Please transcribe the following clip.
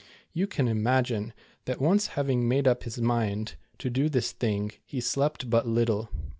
Vou can imagine, that once having made up his mind to do this thing, he slept but little.